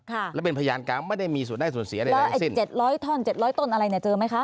ค่ะแล้วเป็นพยานกลางไม่ได้มีส่วนได้ส่วนเสียเลยนะไอ้สิบเจ็ดร้อยท่อนเจ็ดร้อยต้นอะไรเนี่ยเจอไหมคะ